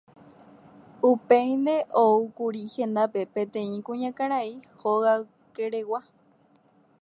Upéinte oúkuri hendápe peteĩ kuñakarai hogaykeregua.